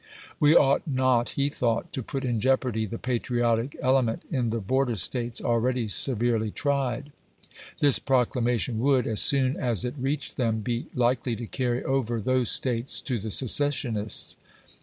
We ought not, he thought, to put in jeopardy the patriotic element in the border States, already severely tried. This proclamation would, as soon as it reached them, be likely to carry over those States to the secessionists.